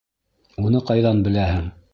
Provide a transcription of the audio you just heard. Уны ҡайҙан беләһең?